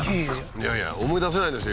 いやいや思い出せないんですよ